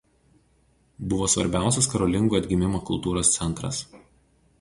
Buvo svarbiausias karolingų atgimimo kultūros centras.